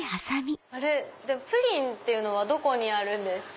プリンっていうのはどこにあるんですか？